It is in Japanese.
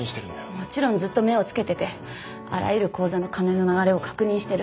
もちろんずっと目をつけててあらゆる口座の金の流れを確認してる。